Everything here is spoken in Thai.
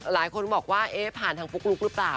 หลายคนบอกว่าเอ๊ะผ่านทางปุ๊กลุ๊กหรือเปล่า